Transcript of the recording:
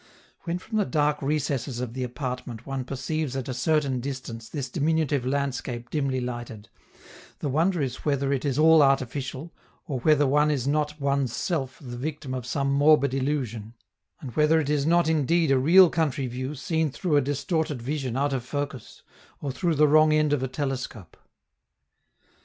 When from the dark recesses of the apartment one perceives at a certain distance this diminutive landscape dimly lighted, the wonder is whether it is all artificial, or whether one is not one's self the victim of some morbid illusion; and whether it is not indeed a real country view seen through a distorted vision out of focus, or through the wrong end of a telescope.